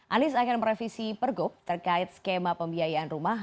anies akan merevisi pergub terkait skema pembiayaan rumah